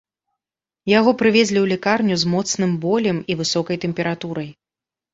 Яго прывезлі ў лякарню з моцным болем і высокай тэмпературай.